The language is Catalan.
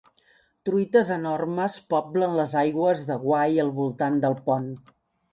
Truites enormes poblen les aigües del Wye al voltant del pont.